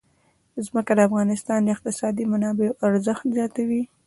ځمکه د افغانستان د اقتصادي منابعو ارزښت زیاتوي.